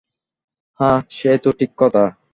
হাঁ, সে তো ঠিক কথা।